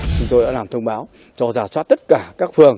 chúng tôi đã làm thông báo cho giả soát tất cả các phương